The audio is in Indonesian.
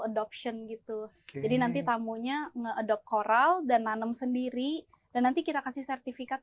adoption gitu jadi nanti tamunya nge adopt coral dan nanem sendiri dan nanti kita kasih sertifikat